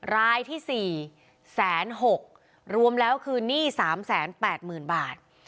รายที่สี่แสนหกรวมแล้วคือหนี้สามแสนแปดหมื่นบาท